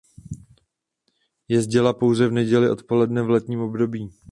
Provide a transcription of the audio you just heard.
Jezdila pouze v neděli odpoledne v letním období.